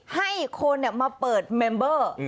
ให้คนมาเปิดเมมเบอร์